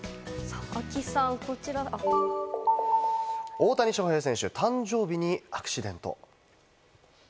大谷翔平選手、誕生日にアクシデント。